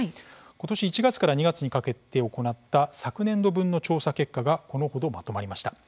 今年１月から２月にかけて行った昨年度分の調査結果がこの程、まとまりました。